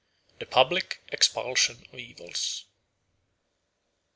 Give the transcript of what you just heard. The Public Expulsion of Evils 1.